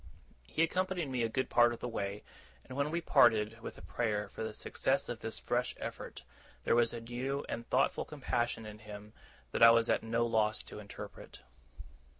He accompanied me a good part of the way; and when we parted, with a prayer for the success of this fresh effort, there was a new and thoughtful compassion in him that I was at no loss to interpret.